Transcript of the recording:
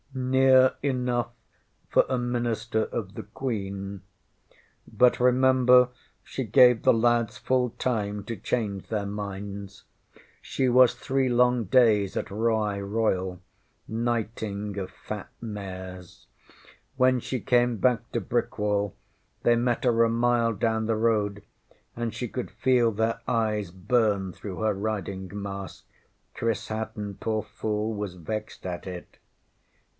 ŌĆÖ ŌĆśNear enough for a Minister of the Queen. But remember she gave the lads full time to change their minds. She was three long days at Rye Royal knighting of fat Mayors. When she came back to Brickwall, they met her a mile down the road, and she could feel their eyes burn through her riding mask. Chris Hatton, poor fool, was vexed at it.